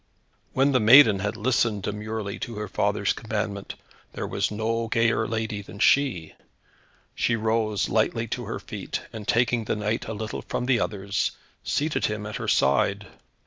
When the maiden had listened demurely to her father's commandment, there was no gayer lady than she. She rose lightly to her feet, and taking the knight a little from the others, seated him at her side.